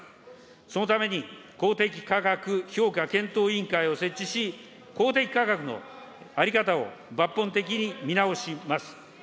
そのために、公的価格評価検討委員会を設置し、公的価格の在り方を抜本的に見直します。